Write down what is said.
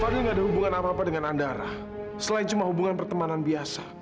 soalnya gak ada hubungan apa apa dengan andara selain cuma hubungan pertemanan biasa